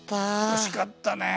惜しかったね！